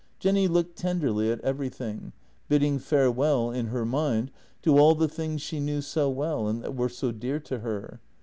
Jenny looked tenderly at everything, bidding farewell in her mind to all the things she knew so well, and that were so dear to her.